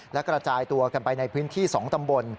และกระจายตัวกันไปในพื้นที่๒ตำบล